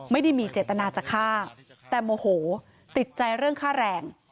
ไม่ได้มีเจตนาจะฆ่าแต่โมโหติดใจเรื่องค่าแรง